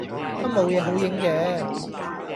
都冇野好影既